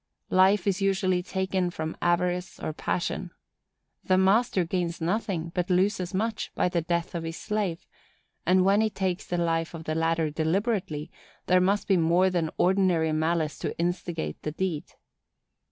Life is usually taken from avarice or passion. The master gains nothing, but loses much, by the death of his slave; and when he takes the life of the latter deliberately, there must be more than ordinary malice to instigate the deed.